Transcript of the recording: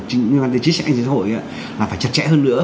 chính doanh tài chính xã hội là phải chật chẽ hơn nữa